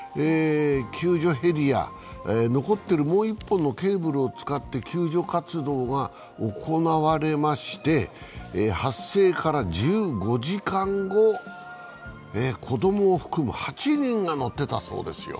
救助ヘリや、残っているもう一本のケーブルを使って救助活動が行われまして、発生から１５時間後、子供を含む８人が乗っていたそうですよ。